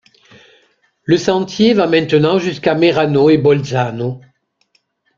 Le sentier va maintenant jusqu'à Merano et Bolzano.